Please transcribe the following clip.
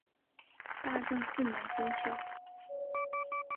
大正四年分校。